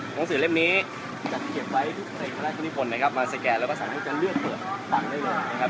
หนังสือเล่มนี้จะเก็บไว้ทุกพระราชนิภนมาสแกนแล้วก็สามารถจะเลือกเปิดฝั่งได้กัน